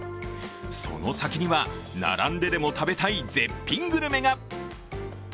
その先には、並んででも食べたい絶品グルメが。